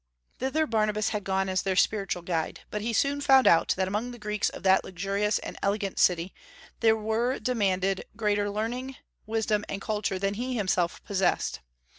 Thither Barnabas had gone as their spiritual guide; but he soon found out that among the Greeks of that luxurious and elegant city there were demanded greater learning, wisdom, and culture than he himself possessed.